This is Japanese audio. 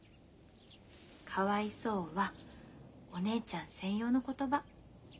「かわいそう」はお姉ちゃん専用の言葉。